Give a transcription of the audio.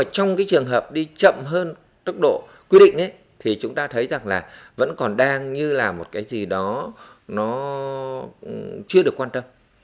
trong trường hợp đi chậm hơn tốc độ quy định chúng ta thấy rằng vẫn còn đang như là một cái gì đó nó chưa được quan tâm